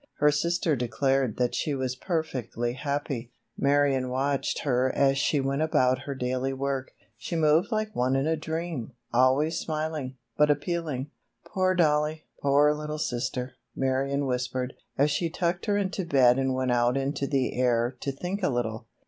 Her sister declared that she was perfectly happy. Marion watched her as she went about her daily work. She moved like one in a dream, always smiling, but appealing. "Poor Dollie! Poor little sister!" Marion whispered, as she tucked her into bed and went out into the air to think a little.